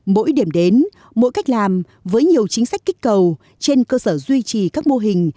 mỗi điểm đến mỗi cách làm với nhiều chính sách kích cầu trên cơ sở duy trì các mô hình